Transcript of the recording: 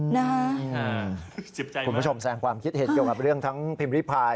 คุณผู้ชมแสงความคิดเห็นเกี่ยวกับเรื่องทั้งพิมพ์ริพาย